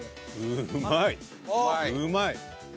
うまい。